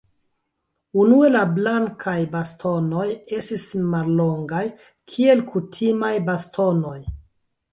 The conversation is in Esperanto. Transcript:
Unue la blankaj bastonoj estis mallongaj, kiel kutimaj bastonoj.